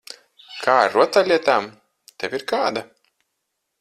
Kā ar rotaļlietām? Tev ir kāda?